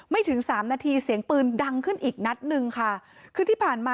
ถึงสามนาทีเสียงปืนดังขึ้นอีกนัดหนึ่งค่ะคือที่ผ่านมา